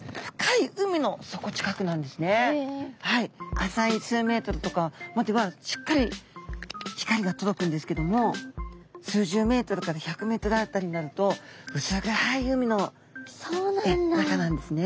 浅い数ｍとかまではしっかり光が届くんですけども数十ｍから１００ｍ辺りになると薄暗い海の中なんですね。